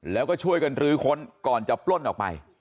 แล้วก็ช่วยกันรื้อค้นก่อนจะปล้นออกไป